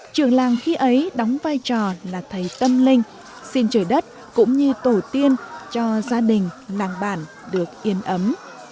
trường làng khi ấy đóng vai trò là thầy tâm linh xin trời đất cũng như tổ tiên cho gia đình làng bản được yên ấm